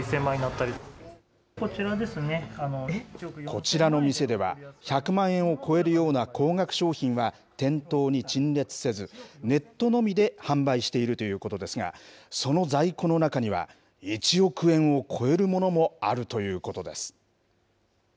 こちらの店では、１００万円を超えるような高額商品は店頭に陳列せず、ネットのみで販売しているということですが、その在庫の中には、１億円を超えるものもあるということです。